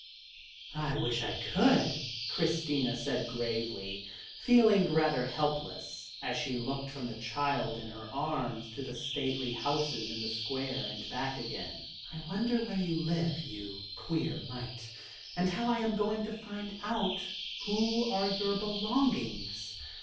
"I wish I could," Christina said gravely, feeling rather helpless, as she looked from the child in her arms to the stately houses in the square, and back again. "I wonder where you live, you queer mite; and how I am going to find out who are your belongings.